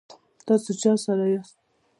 تاسو چا سره یاست؟